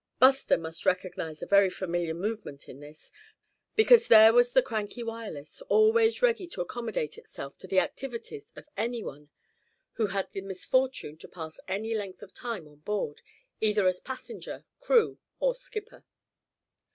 Buster must recognize a very familiar movement in this, because there was the cranky Wireless, always ready to accommodate itself to the activities of any one who had the misfortune to pass any length of time on board, either as passenger, crew or skipper.